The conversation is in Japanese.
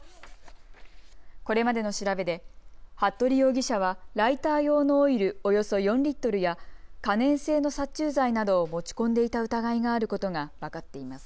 これまでの調べで服部容疑者はライター用のオイルおよそ４リットルや可燃性の殺虫剤などを持ち込んでいた疑いがあることが分かっています。